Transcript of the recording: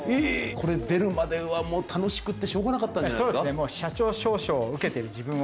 これ出るまでは、もう楽しくてしょうがなかったんじゃないですか？